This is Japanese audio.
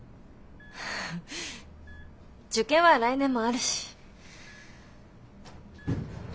フフ受験は来年もあるし。